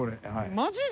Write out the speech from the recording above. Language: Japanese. マジで！？